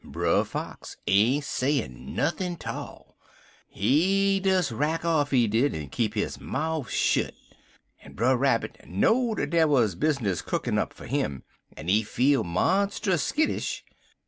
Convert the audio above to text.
"Brer Fox ain't sayin' nuthin' 'tall. He des rack off, he did, en keep his mouf shet, en Brer Rabbit know'd der wuz bizness cookin' up fer him, en he feel monstus skittish.